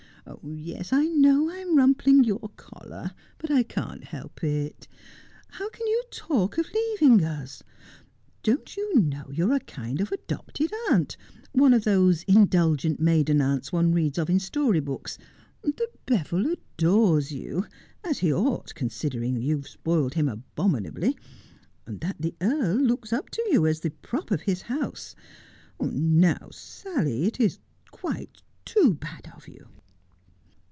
' Yes, I know I'm rumpling your collar, but I can't help it. How can you talk of leaving us 1 Don't you know you're a kind of adopted aunt, one of those indulgent maiden aunts one reads of in story books — that Beville adores you — as he ought, considering that you've spoiled him abominably — that the earl looks up to you as the prop of his house — now, Sally, it is quite too bad of you.'